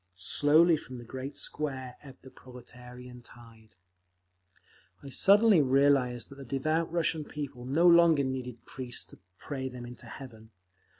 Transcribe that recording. Slowly from the great Square ebbed the proletarian tide…. I suddenly realised that the devout Russian people no longer needed priests to pray them into heaven.